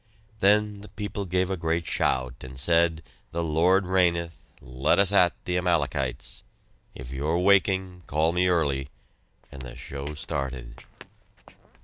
Then the people gave a great shout and said: "The Lord reigneth. Let us at the Amalekites! If you're waking, call me early" and the show started.